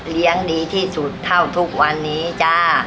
ดีที่สุดเท่าทุกวันนี้จ้า